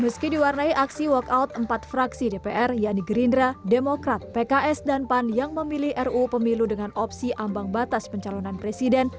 meski diwarnai aksi walkout empat fraksi dpr yaitu gerindra demokrat pks dan pan yang memilih ruu pemilu dengan opsi ambang batas pencalonan presiden